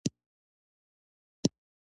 د غزني په ده یک کې د مسو نښې شته.